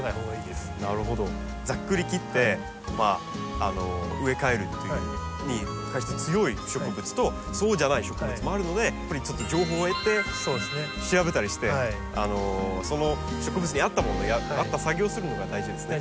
ざっくり切って植え替えるっていうのに関して強い植物とそうじゃない植物もあるのでやっぱりちょっと情報を得て調べたりしてその植物に合ったものや合った作業をするのが大事ですね。